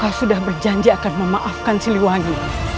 kau sudah berjanji akan memaafkan si luanya